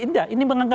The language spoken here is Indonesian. nah ini bermisal misal